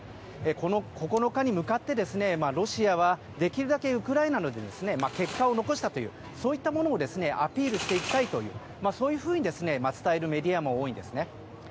この９日に向かってロシアはできるだけウクライナの結果を残したということをアピールしていきたいというそういうふうに伝えるメディアも多いんですね。